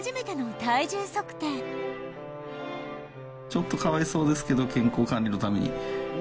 ちょっとかわいそうですけど健康管理のために。